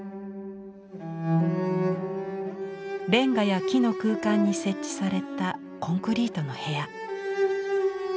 レンガや木の空間に設置されたコンクリートの部屋。